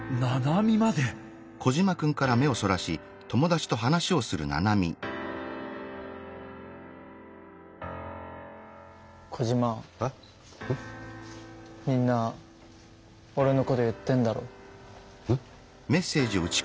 みんなオレのこと言ってんだろう？え？